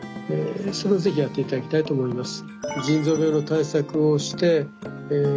それを是非やっていただきたいと思います。